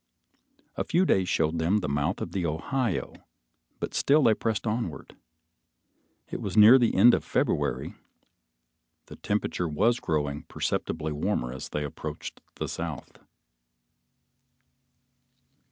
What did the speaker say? A few days showed them the mouth of the Ohio, but still they pressed onward. It was near the end of February, the temperature was growing perceptibly warmer as they approached the South.